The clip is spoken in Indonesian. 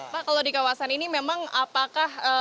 pak kalau di kawasan ini memang apakah